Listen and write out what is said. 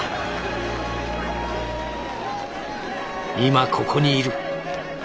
「今ここにいる」。